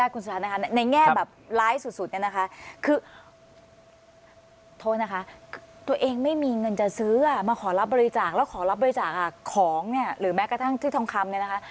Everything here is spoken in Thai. ของเนี่ยหรือแม้กระทั่งที่ทองคำเนี่ยนะคะ